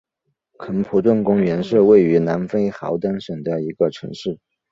肯普顿公园是位于南非豪登省的一个城市。